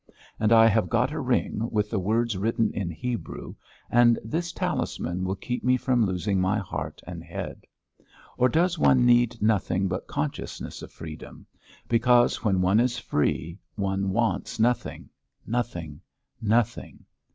And I have got a ring with the words written in Hebrew, and this talisman will keep me from losing my heart and head. Or does one need nothing but consciousness of freedom, because, when one is free, one wants nothing, nothing, nothing.